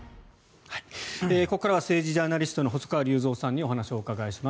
ここからは政治ジャーナリストの細川隆三さんにお話を伺います。